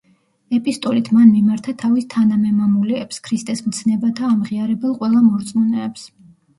ეპისტოლით მან მიმართა თავის თანამემამულეებს, ქრისტეს მცნებათა ამღიარებელ ყველა მორწმუნეებს.